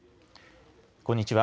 こんにちは。